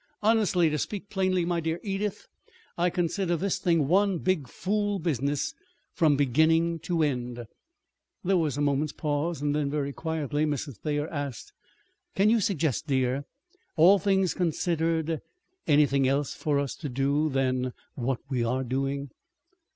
Honestly, to speak plainly, my dear Edith, I consider this thing one big fool business, from beginning to end." There was a moment's pause; then very quietly Mrs. Thayer asked: "Can you suggest, dear, all things considered, anything else for us to do than what we are doing?"